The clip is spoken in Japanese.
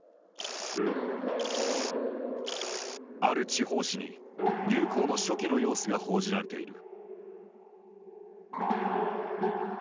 ある地方紙に流行の初期の様子が報じられている。